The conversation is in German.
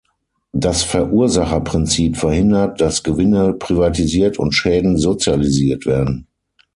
Das Verursacherprinzip verhindert, dass Gewinne privatisiert und Schäden sozialisiert werden.